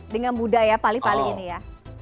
dengan budaya pali pali ini ya